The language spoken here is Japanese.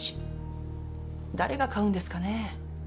誰が買うんですかね？